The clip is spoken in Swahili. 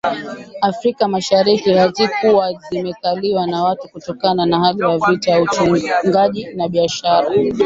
Afrika mashariki hazikuwa zimekaliwa na watu Kutokana na hali ya vita uchungaji na biashara